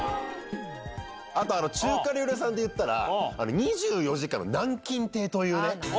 あとあの、中華料理屋さんで言ったら、２４時間の南京亭というね。